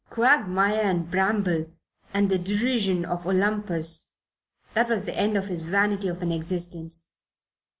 Quagmire and bramble and the derision of Olympus that was the end of his vanity of an existence.